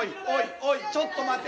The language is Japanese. おいちょっと待て。